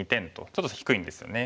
ちょっと低いんですよね。